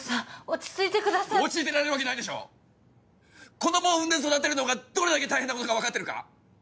子供を産んで育てることがどれだけ大変なことか分かってるのか。